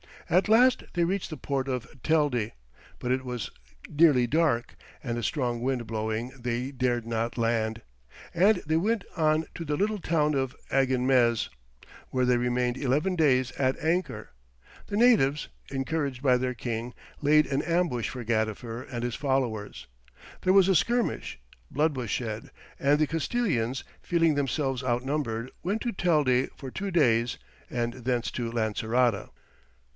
At last they reached the port of Telde, but as it was nearly dark and a strong wind blowing they dared not land, and they went on to the little town of Aginmez, where they remained eleven days at anchor; the natives, encouraged by their king, laid an ambush for Gadifer and his followers; there was a skirmish, blood was shed, and the Castilians, feeling themselves outnumbered, went to Telde for two days, and thence to Lancerota.